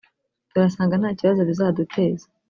turasanga nta kibazo bizaduteza